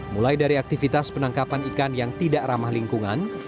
mulai dari aktivitas penangkapan ikan yang tidak ramah lingkungan